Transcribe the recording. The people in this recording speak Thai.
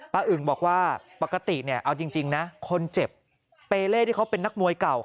อึงบอกว่าปกติเอาจริงนะคนเจ็บเปเล่ที่เขาเป็นนักมวยเก่า